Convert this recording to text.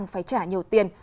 phải trả nhiều tiền